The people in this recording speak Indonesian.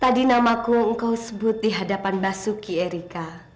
tadi namaku engkau sebut di hadapan basuki erika